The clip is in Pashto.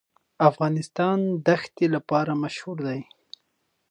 افغانستان د ښتې لپاره مشهور دی.